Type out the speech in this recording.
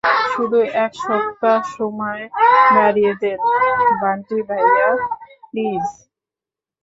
শুধু এক সপ্তাহ সময় বাড়িয়ে দেন, বান্টি ভাইয়া, প্লিজ।